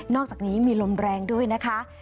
อกจากนี้มีลมแรงด้วยนะคะ